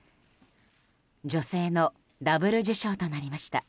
女性のダブル受賞となりました。